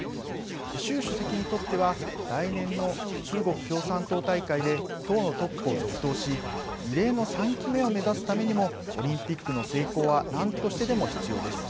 習主席にとっては来年の中国共産党大会で党のトップを続投し異例の３期目を目指すためにもオリンピックの成功は何としてでも必要です。